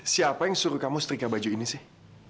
siapa yang suruh kamu setrika baju ini sih